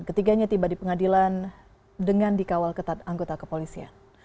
ketiganya tiba di pengadilan dengan dikawal ketat anggota kepolisian